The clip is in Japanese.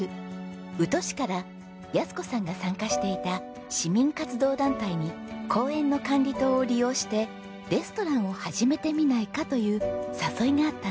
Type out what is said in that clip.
宇土市から安子さんが参加していた市民活動団体に公園の管理棟を利用してレストランを始めてみないかという誘いがあったんです。